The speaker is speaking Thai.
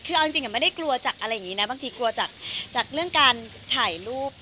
คือเอาจริงไม่ได้กลัวจากอะไรอย่างนี้นะบางทีกลัวจากเรื่องการถ่ายรูป